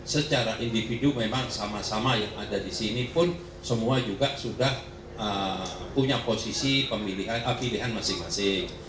secara individu memang sama sama yang ada di sini pun semua juga sudah punya posisi pilihan masing masing